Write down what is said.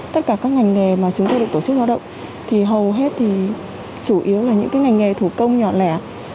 tất cả các ngành nghề mà chúng tôi được tổ chức lao động thì hầu hết thì chủ yếu là những cái ngành nghề thủ công nhỏ lẻ